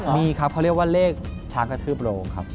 มีครับเขาเรียกว่าเลขช้างกระทืบโรงครับ